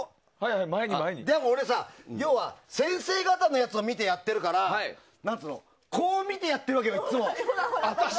でも、俺さ先生方のやつを見てやってるからこう見てやってるわけよ、いつも。